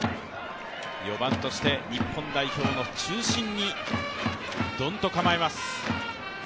４番として日本代表の中心にドンと構えます。